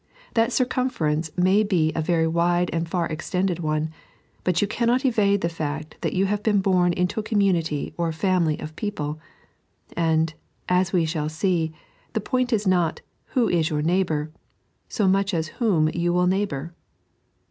That circumference may be a very wide and far extended one, but you cannot evade the fact that you have been bom into a community or family of people ; and, as we shall see, the point is not, who is your neighbour, so much as whom you will neighbour.